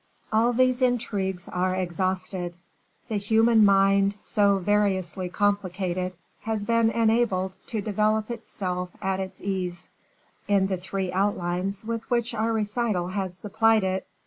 All these intrigues are exhausted; the human mind, so variously complicated, has been enabled to develop itself at its ease in the three outlines with which our recital has supplied it.